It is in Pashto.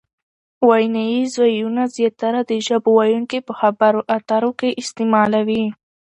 ویناییز وییونه زیاتره د ژبو ویونکي په خبرو اترو کښي استعمالوي.